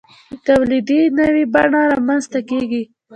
د تولید نوې بڼه رامنځته کیږي.